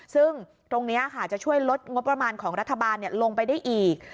ซึ่งตรงนี้ค่ะจะช่วยลดงบประมาณของรัฐบาลลงไปได้อีก